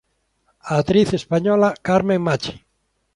A actriz española Carmen Machi.